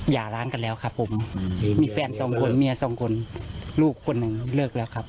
อย่าล้างกันแล้วครับผมมีแฟนสองคนเมียสองคนลูกคนหนึ่งเลิกแล้วครับ